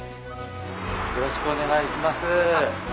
よろしくお願いします。